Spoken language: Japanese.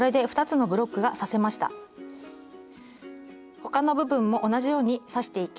他の部分も同じように刺していき